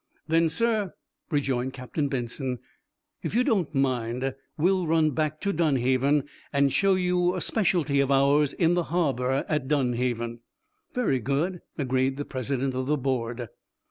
"Then, sir," rejoined Captain Benson, "if don't mind, we'll run back to Dunhaven, and show you a specialty of ours in the harbor at Dunhaven." "Very good," agreed the president of the board.